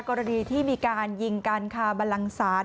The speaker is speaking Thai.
กรณีที่มีการยิงกันค่ะบันลังศาล